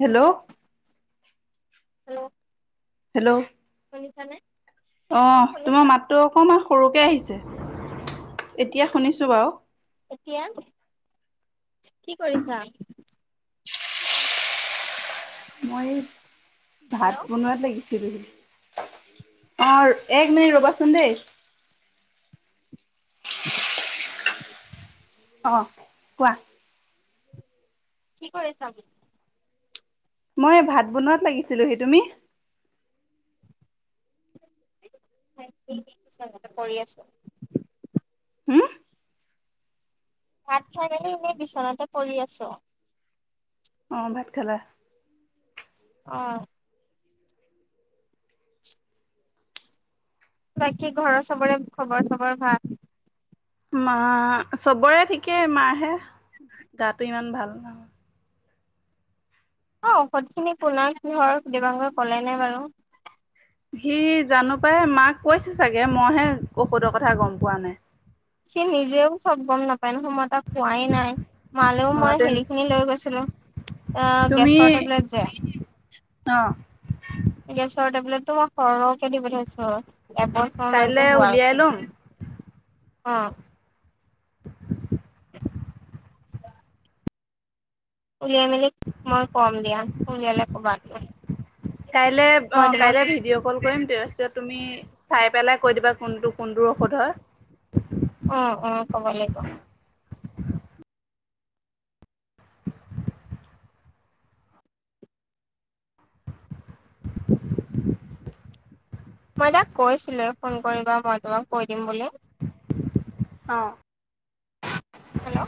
Hello, hello, hello, শুনিছানে। অ, তোমাৰ মাতটো অকমান সৰুকে আহিছে এতিয়া শুনিছো বাৰু। এতিয়া কি কৰিছা। মই ভাত হেল্ল' বনোৱাত লাগিছিলো অ, এক মিনিট কৰিছা? ৰ'বাচোন দেই। অ, কোৱা। কি কৰিছ আমি। মই ভাত বনোৱাত লাগিছিলোহি তুমি কৰি আছো। হুম ভাত খাই খালী এনে বিচনাতে পৰি আছো। অ, ভাত খালা? অ', বাকী ঘৰৰ চবৰে খবৰ চবৰ ভাল? মা, চবৰে ঠিকেই মাৰহে গাটো ইমান ভাল নহয় অ, ঔষধখিনি [unintelligible] দেবাংগই ক'লেনে বাৰু। সি জানো পাই মাক কৈছে চাগে, মইহে ঔষধৰ কথা গম পোৱা নাই। সি নিজেও চব গম নাপায়। [unintelligible] সময় তাক কোৱাই নাই, মালৈ অ মই তেন হেৰিখিনি লৈ গৈছিলো। আহ, গেছ তুমি টেবলেট যে অ গেছৰ টেবলেটটো মই সৰহকে দিবলৈ দিছো। এবছৰ মানকে কাইলৈ হোৱা উলিয়াই ল'ম [unintelligible] অ' উলিয়াই মেলি মই কম দিয়া উলিয়ালে কবা। কাইলৈ অ' মই তোমাক কাইলৈ ভিডিঅ' কল কৰিম, ত পিছত তুমি চাই পেলাই কৈ দিবা কোনটো কোনটোৰ ঔষধ হয়। অ অ ক'ব লাগিব। মই তাক কৈছিলোৱে ফোন কৰিবা, মই তোমাক কৈ দিম বুলি। অ' হেল্ল'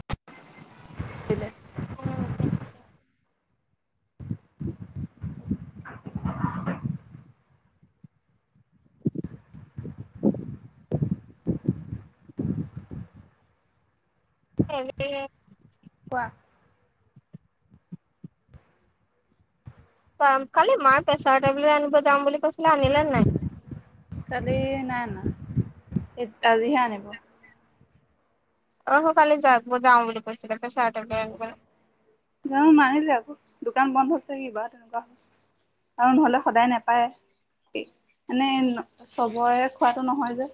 [unintelligible] কোৱা। উম, কালি মাৰ প্ৰেছাৰ টেবলেট আনিব যাম বুলি কৈছিলে, আনিলে নে নাই? কালি নাই আনা। আজিহে আনিব। [inaudible] কালি যাওঁ বুলি কৈছিলে, প্ৰেছাৰৰ টেবলেট আনিবলৈ। জানো নানিলে আক', দোকান বন্ধ হৈছে কিবা তেনেকুৱা। আৰু নহ'লে সদায় নেপায়। মানে চবৰে খোৱাটো নহয় যে।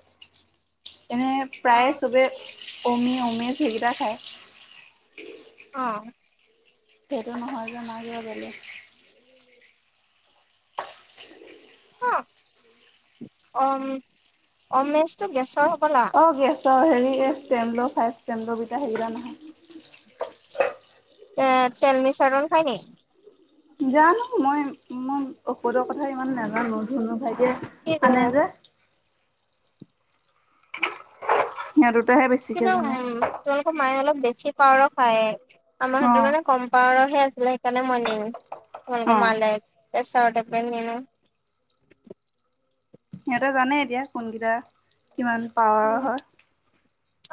এনে অ প্ৰায়ে চবে অমি, অমেজ সেইকেইটাই খায়। অ' সেইটো নহয় যা, মাৰ কিবা বেলেগ। অ', অম অমেজটো গেছৰ হ'বলা অ', গেছৰ হেৰি এই ষ্টেমল' ফাইভ ষ্টেমল' কিটা, সেইকেইটা নহয়। এ' টেলমিসাৰ্টন খায় নি? জানো! মই মোৰ ঔষধৰ কথা ইমান নাজানো। ধুনু ভাইটিয়ে কি আনে যে। [inaudible] কিন্তু, জানে উম, তোমালোকৰ মায়ে অলপ বেছি পাৱাৰৰ খায়। আমাৰ অ হাতত মানে কম পাৱাৰৰহে আছিলে সেইকাৰণে মই নিনিলো অ তোমালোকৰ মালে। [unintelligible] সিহঁতে জানেই এতিয়া কোনকেইটা কিমান পাৱাৰৰ উম, হয়।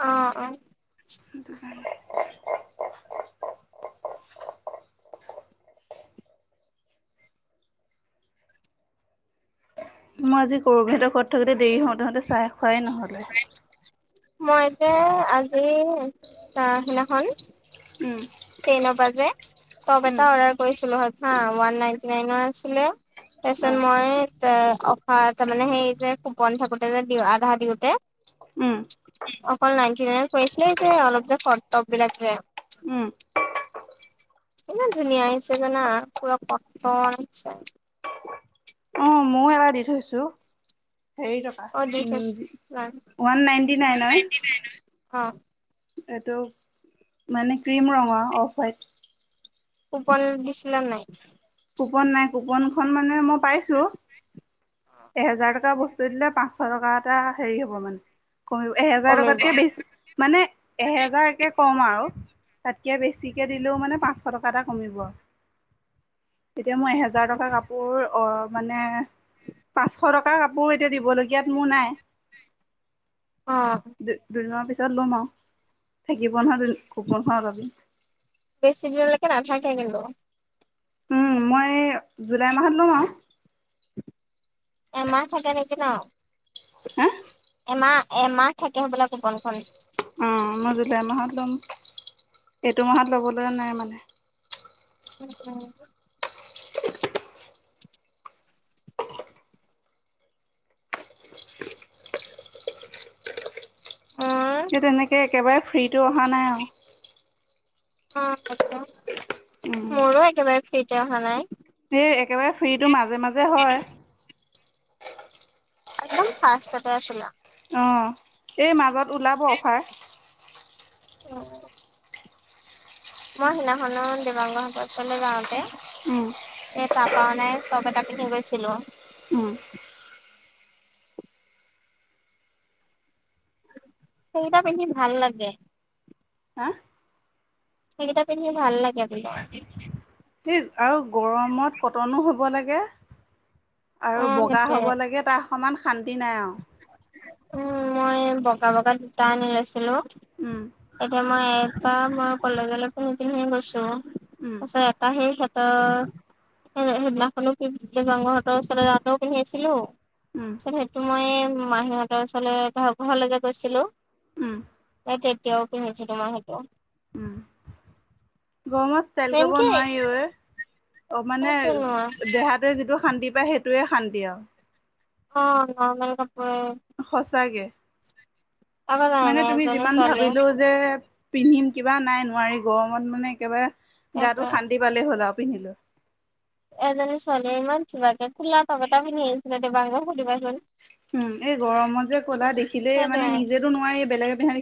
অ', অ' [inaudible] মই আজি কৰবীহঁতৰ ঘৰত থাকোতে দেৰি হওঁতে হওঁতে চাহে খোৱাই নহ'লে। মই যে আজি অ' সিদিনাখন উম [unintelligible] তপ উম এটা অৰ্ডাৰ কৰিছিলো হা, ঙঞওৱান নাইনটি নাইনৰ আছিলে। তাৰ অ পিছত মই এ' অফাৰ, তাৰ মানে, সেই যে কুপন থাকোঁতে যে দিওঁ আধা দিওঁতে উম। অকল নাইনটি নাইনত পৰিছিলে যে অলপ যে চৰ্ট টপবিলাক যে। [inaudible] ইমান ধুনীয়া আহিছে জানা পুৰা কটন অ' ময়ো এটা দি থৈছো। হেৰি টকা, অ', দি থৈছ উম, ওৱান নাইনটি নাইনৰ। অ', এইটো মানে ক্ৰীম ৰঙৰ অফ হোৱাইট। কুপন দিছিলা নে নাই? কুপন নাই কুপনখন মানে মই পাইছো এহেজাৰ টকাৰ বস্তু দিলে পাঁচশ টকা এটা হেৰি হ'ব মানে। কৰো, এহেজাৰ কমিব টকাতকে বেছি মানে এহেজাৰকে কম আৰু। তাতকে বেছিকে দিলেও মানে পাঁচশ টকা এটা কমিব। এতিয়া মই এহেজাৰ টকাৰ কাপোৰ অহ মানে পাঁচশ টকাৰ কাপোৰ এতিয়া দিবলগীয়াত মোৰ নাই। অ', দু-দুদিনৰ পিছত লম আৰু থাকিব [unintelligible] কুপনখনত আজি বেছি দিনলৈকে [unintelligible] উম মই জুলাই মাহত লম আৰু। এমাহ থাকে নেকি ন। হা। এমাহ এমাহ থাকিম হ'ব কুপন‌ খন। অ মই জুলাই মাহত ল'ম এইটো মাহত ল'বলৈ নাই মানে উম। অ, ' কিন্তু তেনেকৈ একেবাৰে ফ্ৰীটো অহা নাই আৰু অহ উম মোৰো একেবাৰে ফ্ৰীতে অহা নাই। এই একেবাৰে ফ্ৰীটো মাজে মাজে হয়। একদম ফাৰ্ষ্ট আছিলে। অ এই মাজত ওলাব অফাৰ উ [unintelligible] মই সিনাখনত দিবাংগ সচলৈ যাওঁতে। উম এ ত পাৱ নাই টোব এটা কিনি গৈছিলো। উম সেইটা পিন্ধি ভাল লাগে । হা সেইকেইটা পিন্ধি ভাল লাগে আৰু বুলি আৰু গৰমত কটনো হ'ব লাগে। অ আৰু বগা সেইটোয়ে হ'ব লাগে তাৰ সমমান শান্তি নাই আৰু উম মই বগা বগা দুটা আনি লৈছিলো উম এতিয়া মই তাপাৰা মই কলেজলৈ পিন্ধি পিন্ধি গৈছো উম তাৰছত এটা সে ত সেইদিনাখনো ডিপাকৰ হঁতৰ ওচৰলৈ যাওঁতেও পিন্ধি আছিলো। উম তছত সেইটো মই মাহীহঁতৰ ওচৰলৈ ঘৰ ঘৰলৈকে গৈছিলোঁ। উম। তেতিয়াও পিন্ধিছিলো তোমাৰ সেইটো। গৰমত ষ্টাইল কৰিব মেইনকে নোৱাৰিও। অ মানে তেনেকুৱা দেহাটোৱে যিটো শান্তি পায় সেইটোৱে শান্তি আৰু অ ন সঁচাকে আকৌ । মানে জানানে তুমি এজনী যিমান ছোৱালীয়ে ভাবিলো যে পিন্ধিম কিবা নাই ন নোৱাৰি গৰমত মানে একেবাৰে তাকে গাটো শান্তি পালেই হ'ল আৰু পিন্ধিলো। এজনী ছোৱালীৱে ইমান ধুমা কে ফুলা তপ এটা পিন্ধি আহিছিলে দেবাংগগক সুধিবাচোন উম এই গৰমত যে কলা দেখিলে সেইটোৱে মানে নিজেতো নোৱাৰি বেলেগে বেহা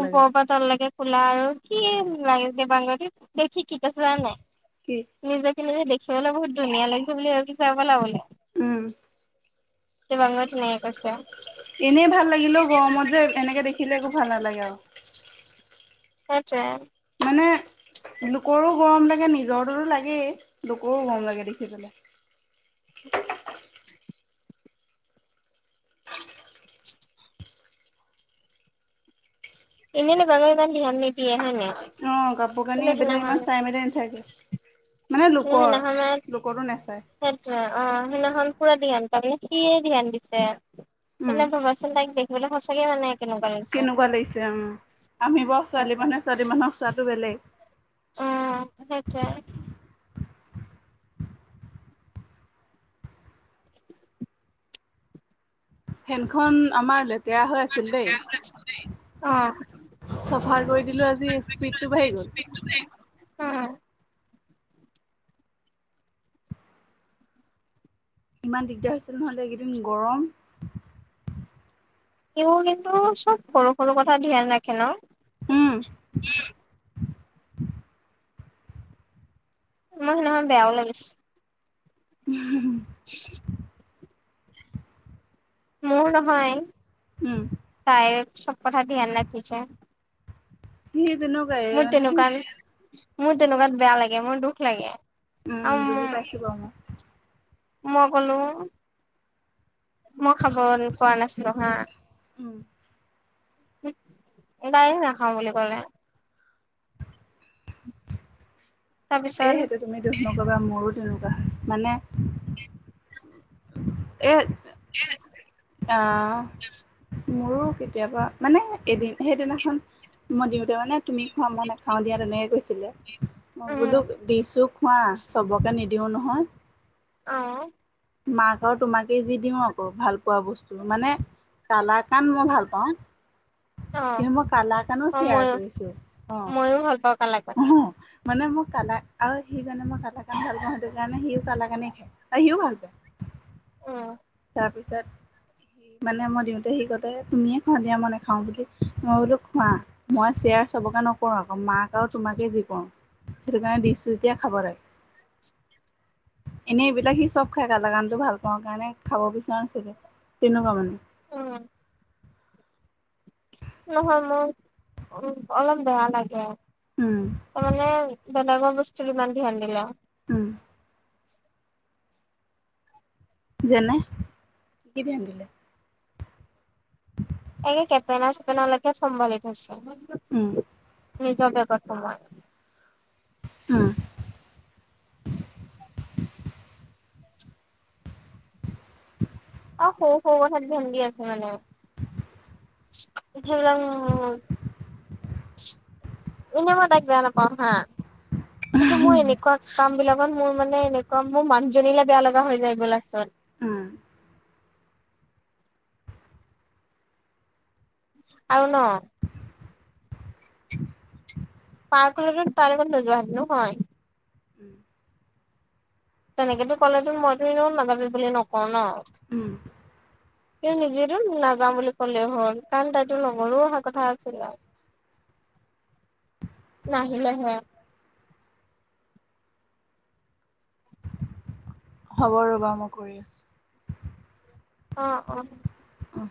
ওপৰৰ পৰা তল লাগে খোলা আৰু কি লাগে দেবাংগত শিকি কৈছ নাই কি নিজে নিজে দেখিবলৈ বহুত ধুনীয়া লাগিছে বুলি ভাব পিছ বল বোলে। উম। দেবাংগই তেনেকে কৈছে। এনেই ভাল লাগিলে গৰমত যে এনেকে দেখি বিলো ভাল ন লগাগাওঁ। সেটোৱে। মানে লোকৰো গৰম লাগে নিজৰটোতো লাগেই লোকৰো গৰম লাগে দেখি পেলাই। [unintelligible] [unintelligible] এনে বাগে ইমান ধ্যান নিদিয়ে হয় ন, অ, 'কাপোৰ কানি এইবিলাক ইমান চাই মেলি নাথাকে মানে লোকৰ সেইদিনাখনত লোকৰটো নাচায় স অ সেইদিনাখন পুৰা দান তাৰমানে সিয়ে ধ্যান দিছে উম, তেন্ত ভবাচোন তাই দেখিবলৈ সঁচাকে মানে কেনেকুৱা লাগিছে কেনেকুৱা লাগিছে অ আমি বাৰ ছোৱালী মানুহে ছোৱালী মানুহক চোৱটো বেলেগ। আহ সেইটোৱয়। ফেনখন আমাৰ লেতেৰা হৈ আছিল দেই অ চফাৰ কৰি দিলো আজি স্পীডটো বাঢ়ি গ'ল অ' ইমান দিগদাৰ হৈছিল নহ'লে এইকেইদিন গৰম। সিও কিন্তু চব সৰু- সৰু কথা ধ্যান ৰাখে ন উম। মই নহয় বেয়াও লাগিছে। উম। [inaudible] মোৰ নহয় উম তাইৰ চাব কথা ধ্যান ৰাখিছে। সেই তেনেকুৱাই মোৰ মানে তেনেকুৱাত মোৰ তেনেকুৱাত বেয়া লাগে মোৰ দুখ লাগে। আৰু উম বুজি পাইছো বাৰু মই। মই কলো মই খাব পোৱা নাছিলো হা। উম। গায়ক নাখাওঁ বুলি কলে। এ তাৰপিছত সেইটো তুমি দুখ নকবা মোৰো তেনেকুৱা মানে এ' হ আহ মোৰো কেতিয়াবা মানে এদিন সেইদিনাখন মই দিওঁতে মানে তুমি খোৱাাম মই নেখাওঁ দিয়া তেনেকে কৈছিলে মই বোলো উম দিছোঁ খোৱা চবকে নিদি নিদিওঁ নহয়। অহ মাক আৰু তোমাকে যি দিওঁ আকৌ ভাল পোৱা বস্তু মানে। কালা কান মই ভাল পাওঁ। অ কিন্তু মই কালা কানো অ শ্বেয়াৰ ময়ো কৰিছো ময়ো ভাল পাওঁ কালাকান আহ- আহ মানে মোক কালা কান আৰু সি জাননে মই কালা কান ভাল পাওঁ সেইটো কাৰণে সিও কালা কানে খায় আৰু সিও ভাল পায়। উম তাৰপিছত সি মানে মই দিওঁতে সি কতে তুমিয়ে খোৱা দিয়া মই নেখাওঁ বুলি মই বোলো খোৱা মই [inaudible] চবকে নকৰো আকৌ মাক আৰু তোমাকে যি কৰো। সেইটো কাৰণে দিছো যেতিয়া খাব নাই। এনে এইবিলাক সি চব খাই কালা গানটো ভাল পাওঁ কাৰণে। খাব বিচৰা আছে যে তেনেকুৱা মানে। অ' নহয় মোৰ উ অলপ বেয়া লাগে উম, তাৰ মানে বেলেগৰ বস্তুত ইমান ধ্যান দিলে উম, যেনে কি ধ্যান দিলে একে কেপেনা চেপেনালৈকে চম্ভালি থৈছে উম, নিজৰ বেগত সুমুৱাই ও অ' সৰু সৰু কথাত ধ্যান দি আছে মানে [inaudible] এনে মই তাক বেয়া নাপাওঁ হা কিন্তু মোৰ এনেকুৱা কাম বিলাক। মোৰ মানে এনেকুৱা মোৰ মানহজননীে বেয়া লগা হৈ যায় গ' লাষ্টত। উম। আৰু ন পাৰ্কৰ ত নো যোৱা নহ উম, তেনেকেতো ক'লেতো মইতো এ নাগাজ বুলি নকওঁ ন' উম, তেওঁ নিজেতো নাযাওঁ বুলি ক'লে হ'ল কাৰণ তাইতো লগৰো অহা কথা আছিলে নাহিলেহে হ'ব ৰ' বাৰু মই কৰি আছো অ অ অ